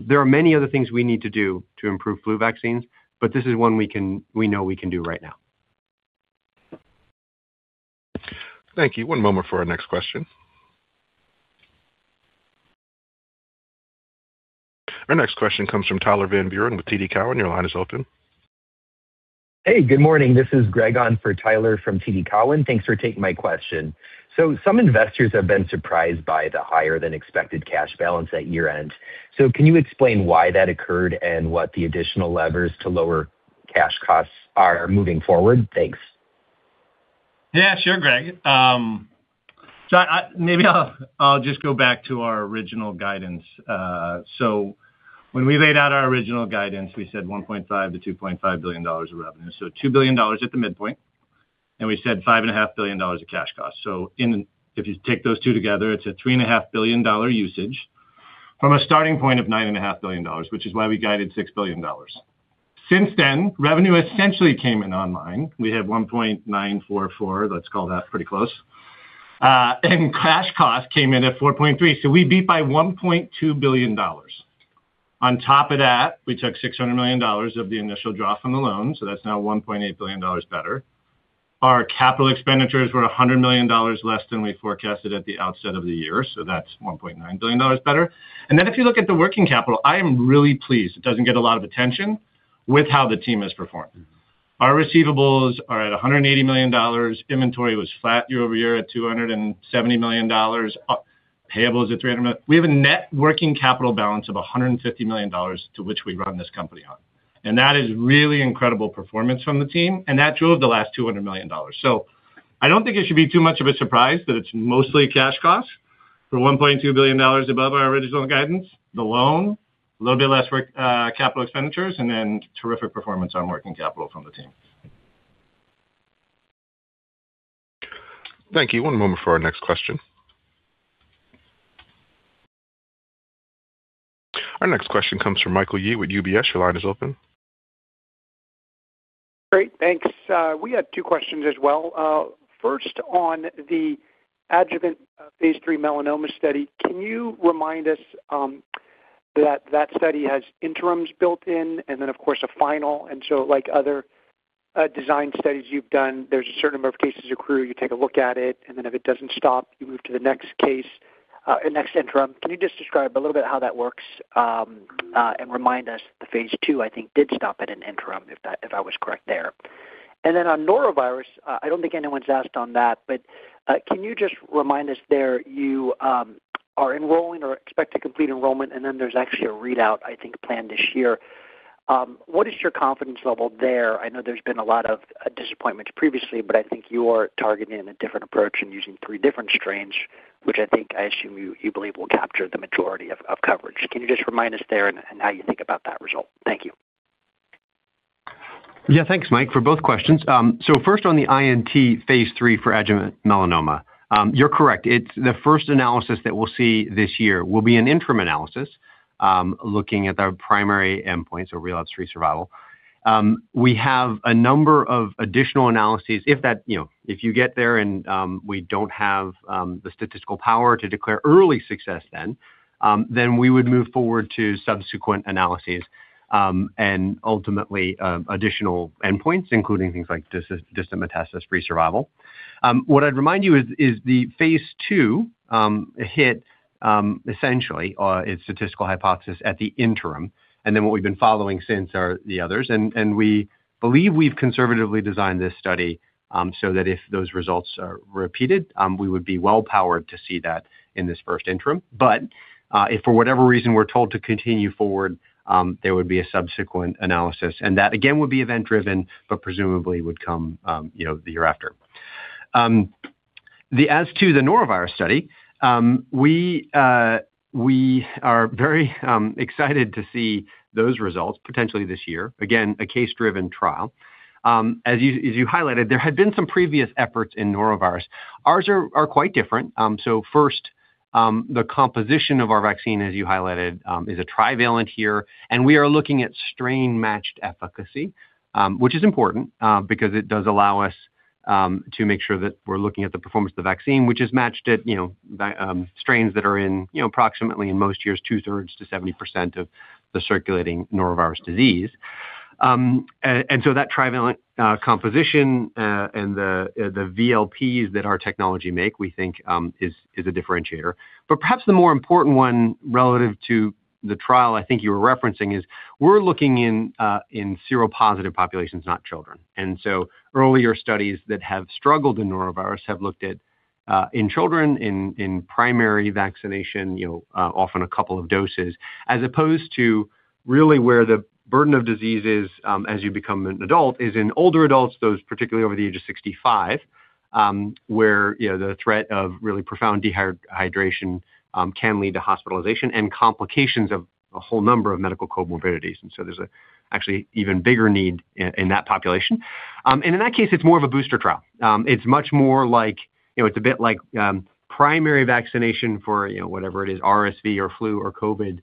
There are many other things we need to do to improve flu vaccines, but this is one we know we can do right now. Thank you. One moment for our next question. Our next question comes from Tyler Van Buren with TD Cowen. Your line is open. Hey, good morning. This is Greg on for Tyler from TD Cowen. Thanks for taking my question. So some investors have been surprised by the higher-than-expected cash balance at year-end. So can you explain why that occurred and what the additional levers to lower cash costs are moving forward? Thanks. Yeah, sure, Greg. So I maybe I'll just go back to our original guidance. So when we laid out our original guidance, we said $1.5 billion-$2.5 billion of revenue. So $2 billion at the midpoint, and we said $5.5 billion of cash costs. So if you take those two together, it's a $3.5 billion usage from a starting point of $9.5 billion, which is why we guided $6 billion. Since then, revenue essentially came in online. We had $1.944 billion, let's call that pretty close. And cash cost came in at $4.3 billion, so we beat by $1.2 billion. On top of that, we took $600 million of the initial draw from the loan, so that's now $1.8 billion better. Our capital expenditures were $100 million less than we forecasted at the outset of the year, so that's $1.9 billion better. Then if you look at the working capital, I am really pleased, it doesn't get a lot of attention, with how the team has performed. Our receivables are at $180 million. Inventory was flat year-over-year at $270 million, payables at $300 million. We have a net working capital balance of $150 million to which we run this company on, and that is really incredible performance from the team, and that drove the last $200 million. So I don't think it should be too much of a surprise that it's mostly cash costs for $1.2 billion above our original guidance, the loan, a little bit less work, capital expenditures, and then terrific performance on working capital from the team. Thank you. One moment for our next question. Our next question comes from Michael Yee with UBS. Your line is open. Great, thanks. We had two questions as well. First, on the adjuvant phase III melanoma study, can you remind us that that study has interims built in and then, of course, a final, and so like other design studies you've done, there's a certain number of cases accrue, you take a look at it, and then if it doesn't stop, you move to the next case, next interim. Can you just describe a little bit how that works, and remind us the phase II, I think, did stop at an interim, if that, if I was correct there. And then on norovirus, I don't think anyone's asked on that, but, can you just remind us there, you are enrolling or expect to complete enrollment, and then there's actually a readout, I think, planned this year. What is your confidence level there? I know there's been a lot of disappointments previously, but I think you are targeting in a different approach and using three different strains, which I think I assume you believe will capture the majority of coverage. Can you just remind us there and how you think about that result? Thank you. Yeah, thanks, Mike, for both questions. So first, on the INT phase III for adjuvant melanoma, you're correct. It's the first analysis that we'll see this year will be an interim analysis, looking at our primary endpoint, so relapse-free survival. We have a number of additional analyses, if that, you know, if you get there and, we don't have, the statistical power to declare early success then, then we would move forward to subsequent analyses, and ultimately, additional endpoints, including things like distant metastasis-free survival. What I'd remind you is the phase II, hit, essentially, its statistical hypothesis at the interim. And then what we've been following since are the others. We believe we've conservatively designed this study, so that if those results are repeated, we would be well-powered to see that in this first interim. But, if for whatever reason, we're told to continue forward, there would be a subsequent analysis, and that again, would be event-driven, but presumably would come, you know, the year after. As to the norovirus study, we are very excited to see those results potentially this year. Again, a case-driven trial. As you highlighted, there had been some previous efforts in norovirus. Ours are quite different. So first, the composition of our vaccine, as you highlighted, is a trivalent here, and we are looking at strain-matched efficacy, which is important, because it does allow us to make sure that we're looking at the performance of the vaccine, which is matched at, you know, strains that are in, you know, approximately in most years, two-thirds to 70% of the circulating norovirus disease. And so that trivalent composition, and the VLPs that our technology make, we think, is a differentiator. But perhaps the more important one relative to the trial I think you were referencing is we're looking in seropositive populations, not children. Earlier studies that have struggled in norovirus have looked at, in children in primary vaccination, you know, often a couple of doses, as opposed to really where the burden of disease is, as you become an adult, is in older adults, those particularly over the age of 65, where, you know, the threat of really profound dehydration, can lead to hospitalization and complications of a whole number of medical comorbidities. And so there's actually even bigger need in that population. And in that case, it's more of a booster trial. It's much more like, you know, it's a bit like, primary vaccination for, you know, whatever it is, RSV or flu or COVID,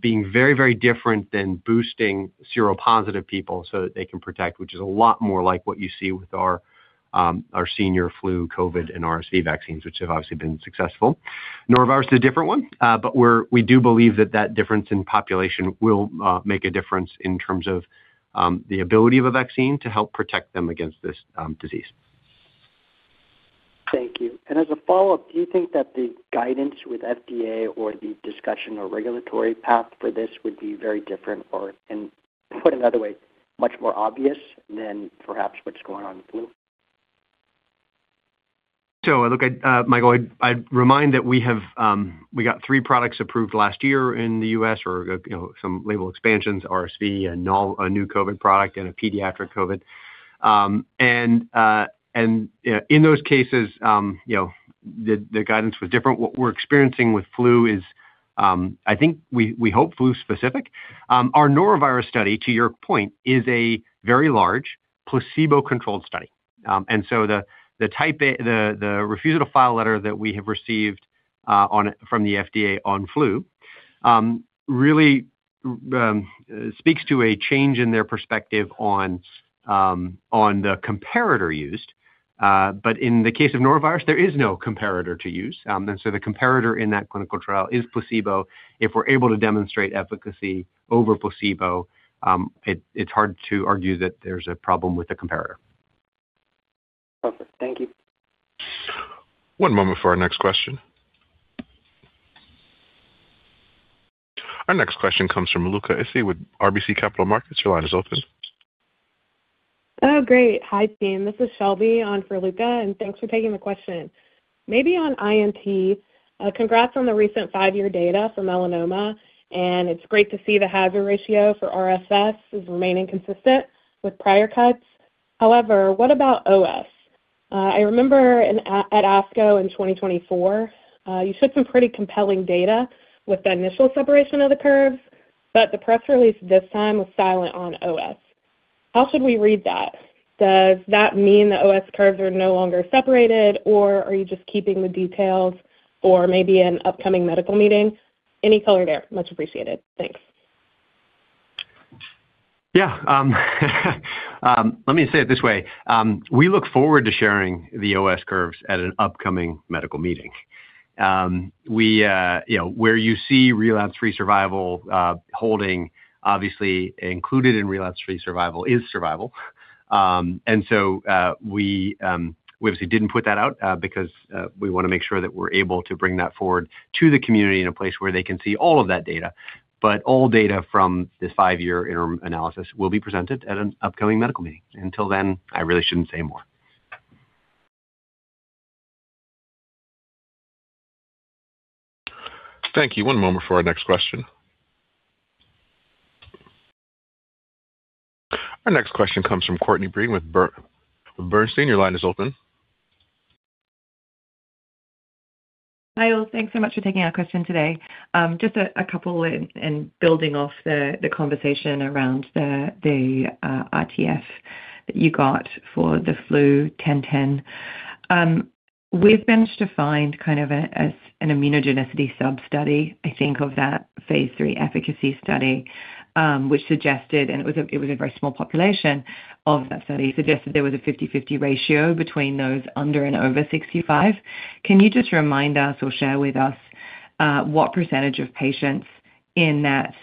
being very, very different than boosting seropositive people so that they can protect, which is a lot more like what you see with our, our senior flu, COVID, and RSV vaccines, which have obviously been successful. Norovirus is a different one, but we do believe that that difference in population will make a difference in terms of, the ability of a vaccine to help protect them against this, disease. Thank you. And as a follow-up, do you think that the guidance with FDA or the discussion or regulatory path for this would be very different? Or, and put another way, much more obvious than perhaps what's going on in the flu? So look, Michael, I'd, I'd remind that we have, we got three products approved last year in the U.S. or, you know, some label expansions, RSV and now a new COVID product and a pediatric COVID. And, in those cases, you know, the, the guidance was different. What we're experiencing with flu is, I think we, we hope flu specific. Our norovirus study, to your point, is a very large placebo-controlled study. And so the, the Type A, the, the refusal to file letter that we have received, on it from the FDA on flu, really, speaks to a change in their perspective on, on the comparator used. But in the case of norovirus, there is no comparator to use. And so the comparator in that clinical trial is placebo. If we're able to demonstrate efficacy over placebo, it's hard to argue that there's a problem with the comparator. Perfect. Thank you. One moment for our next question. Our next question comes from Luca Issi with RBC Capital Markets. Your line is open. Oh, great. Hi, team. This is Shelby on for Luca, and thanks for taking the question. Maybe on INT, congrats on the recent five-year data for melanoma, and it's great to see the hazard ratio for RFS is remaining consistent with prior cuts. However, what about OS? I remember at ASCO in 2024, you showed some pretty compelling data with the initial separation of the curves, but the press release this time was silent on OS. How should we read that? Does that mean the OS curves are no longer separated, or are you just keeping the details or maybe an upcoming medical meeting? Any color there, much appreciated. Thanks. Yeah, let me say it this way. We look forward to sharing the OS curves at an upcoming medical meeting. We, you know, where you see relapse-free survival holding, obviously included in relapse-free survival is survival. And so, we, we obviously didn't put that out because we want to make sure that we're able to bring that forward to the community in a place where they can see all of that data. But all data from this five-year interim analysis will be presented at an upcoming medical meeting. Until then, I really shouldn't say more. Thank you. One moment for our next question. Our next question comes from Courtney Breen with Bernstein. Your line is open. Hi, all. Thanks so much for taking our question today. Just a couple and building off the conversation around the RTF that you got for the flu 1010. We've managed to find kind of an immunogenicity substudy, I think, of that phase III efficacy study, which suggested, and it was a very small population of that study, suggested there was a 50/50 ratio between those under and over 65. Can you just remind us or share with us, what percentage of patients in that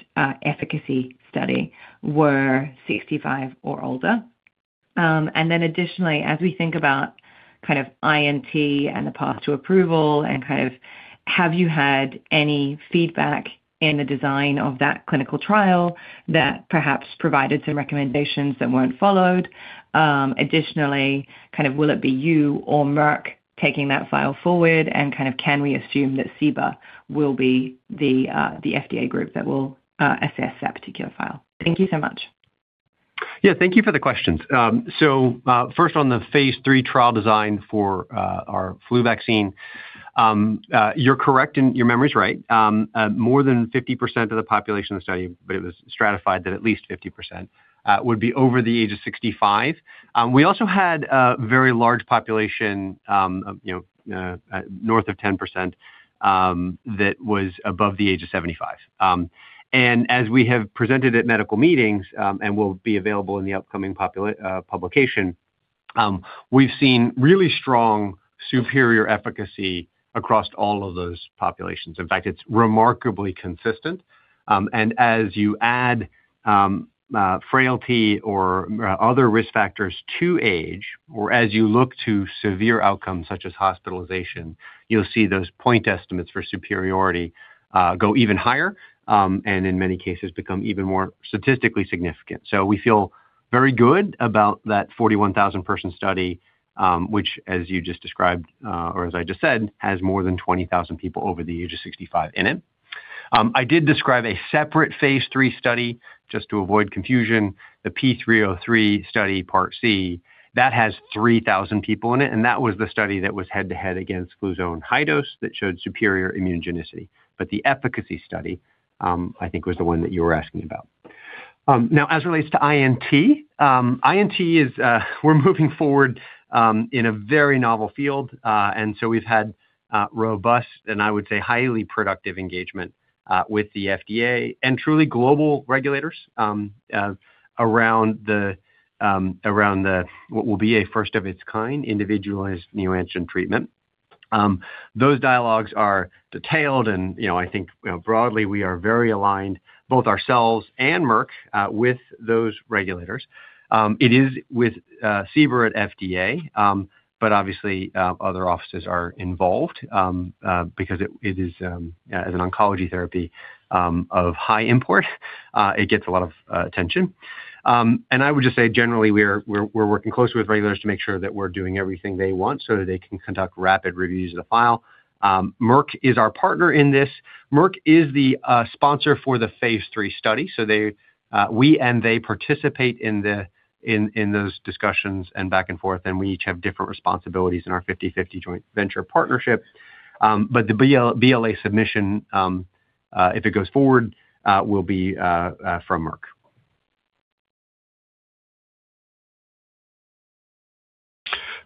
efficacy study were 65 or older? And then additionally, as we think about kind of INT and the path to approval and kind of, have you had any feedback in the design of that clinical trial that perhaps provided some recommendations that weren't followed? Additionally, kind of will it be you or Merck taking that file forward, and kind of can we assume that CBER will be the, the FDA group that will assess that particular file? Thank you so much. Yeah, thank you for the questions. So, first on the phase III trial design for our flu vaccine, you're correct, and your memory is right. More than 50% of the population in the study, but it was stratified that at least 50% would be over the age of 65. We also had a very large population, you know, north of 10% that was above the age of 75. And as we have presented at medical meetings, and will be available in the upcoming publication, we've seen really strong, superior efficacy across all of those populations. In fact, it's remarkably consistent. As you add frailty or other risk factors to age, or as you look to severe outcomes such as hospitalization, you'll see those point estimates for superiority go even higher, and in many cases become even more statistically significant. So we feel very good about that 41,000-person study, which as you just described, or as I just said, has more than 20,000 people over the age of 65 in it. I did describe a separate phase III study, just to avoid confusion, the P303 study, Part C, that has 3,000 people in it, and that was the study that was head-to-head against Fluzone High Dose that showed superior immunogenicity. But the efficacy study, I think, was the one that you were asking about. Now, as it relates to INT, INT is, we're moving forward, in a very novel field, and so we've had, robust and I would say, highly productive engagement, with the FDA and truly global regulators, around the what will be a first of its kind, individualized neoantigen treatment. Those dialogues are detailed and, you know, I think, you know, broadly, we are very aligned, both ourselves and Merck, with those regulators. It is with CBER at FDA, but obviously, other offices are involved, because it is, as an oncology therapy, of high import, it gets a lot of attention. I would just say generally, we're working closely with regulators to make sure that we're doing everything they want so that they can conduct rapid reviews of the file. Merck is our partner in this. Merck is the sponsor for the phase III study. So they, we and they participate in those discussions and back and forth, and we each have different responsibilities in our 50/50 joint venture partnerships. But the BLA submission, if it goes forward, will be from Merck.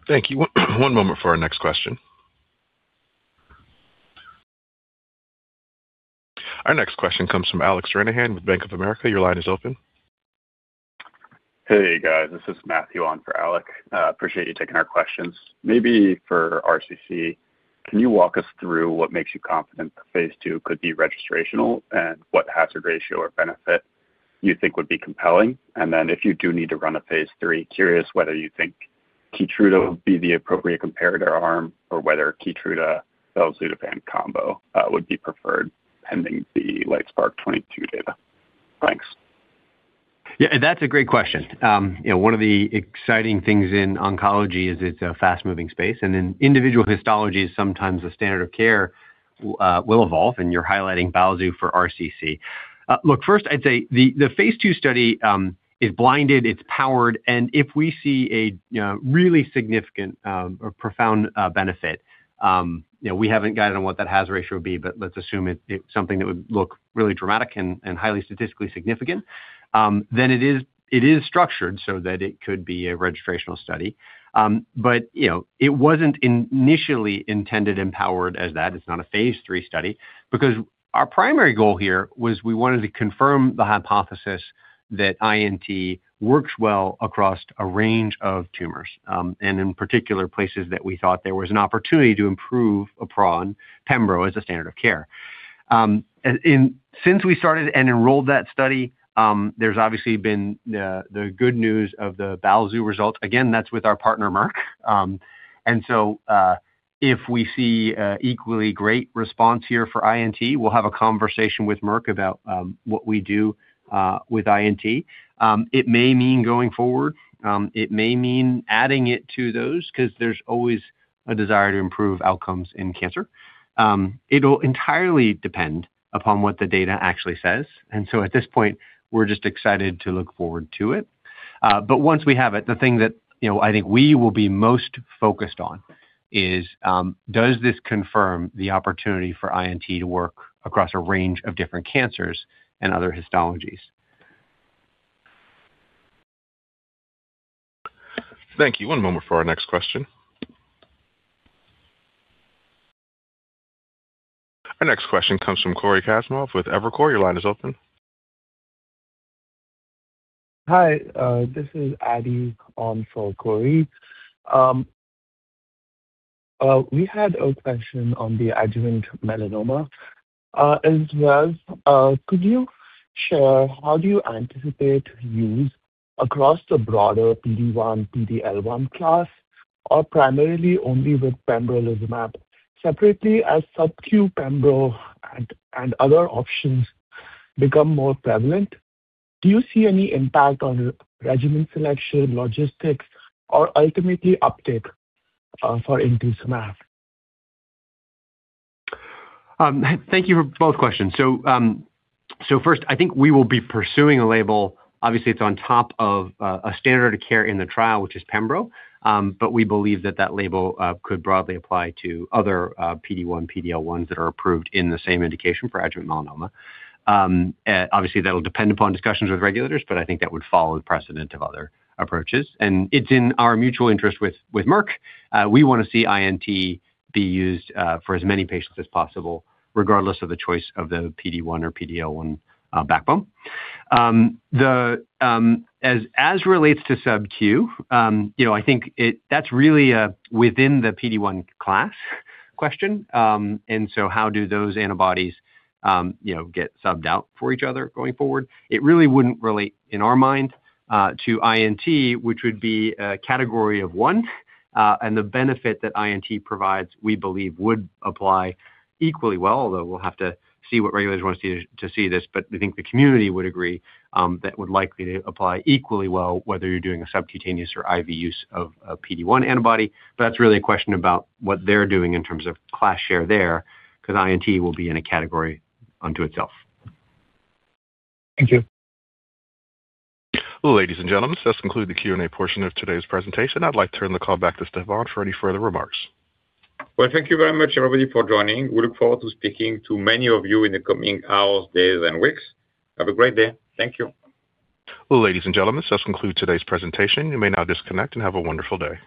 Thank you. One moment for our next question. Our next question comes from Alec Stranahan with Bank of America. Your line is open. Hey, guys, this is Matthew on for Alec. Appreciate you taking our questions. Maybe for RCC, can you walk us through what makes you confident that phase II could be registrational, and what hazard ratio or benefit you think would be compelling? And then if you do need to run a phase III, curious whether you think Keytruda would be the appropriate comparator arm or whether Keytruda, those belzutifan combo, would be preferred pending the LITESPARK-022 data. Thanks. Yeah, that's a great question. You know, one of the exciting things in oncology is it's a fast-moving space, and in individual histologies, sometimes the standard of care will evolve, and you're highlighting Bavencio for RCC. Look, first, I'd say the phase two study is blinded, it's powered, and if we see a, you know, really significant or profound benefit, you know, we haven't guided on what that hazard ratio would be, but let's assume it's something that would look really dramatic and highly statistically significant. Then it is structured so that it could be a registrational study. But, you know, it wasn't initially intended and powered as that. It's not a phase III study because our primary goal here was we wanted to confirm the hypothesis that INT works well across a range of tumors, and in particular, places that we thought there was an opportunity to improve upon pembro as a standard of care. Since we started and enrolled that study, there's obviously been the good news of the Belzu results. Again, that's with our partner, Merck. And so, if we see a equally great response here for INT, we'll have a conversation with Merck about what we do with INT. It may mean going forward, it may mean adding it to those because there's always a desire to improve outcomes in cancer. It'll entirely depend upon what the data actually says. At this point, we're just excited to look forward to it. But once we have it, the thing that, you know, I think we will be most focused on is, does this confirm the opportunity for INT to work across a range of different cancers and other histologies? Thank you. One moment for our next question. Our next question comes from Cory Kasimov with Evercore. Your line is open. Hi, this is Adi on for Cory. We had a question on the adjuvant melanoma, as well. Could you share how do you anticipate use across the broader PD-1, PD-L1 class, or primarily only with pembrolizumab? Separately, as subQ pembro and other options become more prevalent, do you see any impact on regimen selection, logistics, or ultimately uptake, for intismeran? Thank you for both questions. So, first, I think we will be pursuing a label. Obviously, it's on top of a standard of care in the trial, which is pembro, but we believe that that label could broadly apply to other PD-1, PD-L1 that are approved in the same indication for adjuvant melanoma. Obviously, that'll depend upon discussions with regulators, but I think that would follow the precedent of other approaches, and it's in our mutual interest with Merck. We want to see INT be used for as many patients as possible, regardless of the choice of the PD-1 or PD-L1 backbone. As relates to subQ, you know, I think it... That's really a within the PD-1 class question. How do those antibodies, you know, get subbed out for each other going forward? It really wouldn't relate, in our mind, to INT, which would be a category of one, and the benefit that INT provides, we believe, would apply equally well, although we'll have to see what regulators want us to, to see this. But I think the community would agree, that would likely to apply equally well whether you're doing a subcutaneous or IV use of a PD-1 antibody. But that's really a question about what they're doing in terms of class share there, because INT will be in a category unto itself. Thank you. Ladies and gentlemen, this concludes the Q&A portion of today's presentation. I'd like to turn the call back to Stéphane for any further remarks. Well, thank you very much, everybody, for joining. We look forward to speaking to many of you in the coming hours, days, and weeks. Have a great day. Thank you. Well, ladies and gentlemen, this concludes today's presentation. You may now disconnect and have a wonderful day.